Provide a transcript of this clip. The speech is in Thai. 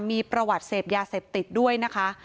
มีประวัติเสพยาเสพติดด้วยนะคะ